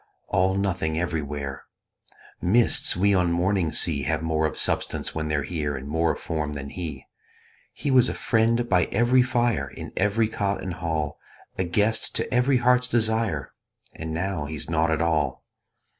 All nothing everywhere: Mists we on mornings see Have more of substance when they're here And more of form than he. He was a friend by every fire, In every cot and hall A guest to every heart's desire, And now he's nought at all.